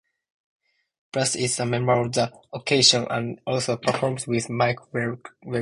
Burst is a member of The Occasion and also performs with Mike Wexler.